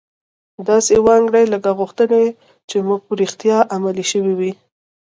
داسې و انګیرئ لکه غوښتنې چې مو رښتیا عملي شوې وي